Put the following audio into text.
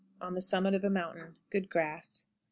On the summit of a mountain. Good grass.